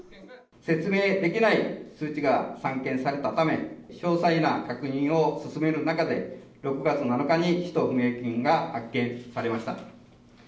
説明できない数値が散見されたため、詳細な確認を進める中で、６月７日に使途不明金が発見されました。